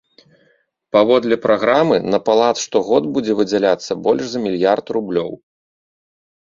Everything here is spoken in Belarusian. Паводле праграмы на палац штогод будзе выдзяляцца больш за мільярд рублёў.